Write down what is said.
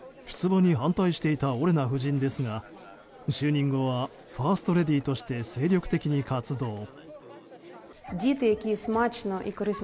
出馬に反対していたオレナ夫人ですが就任後はファーストレディーとして精力的に活動。